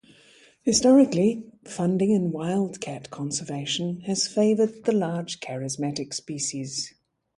Historically, funding in wild cat conservation has favoured the large, charismatic species.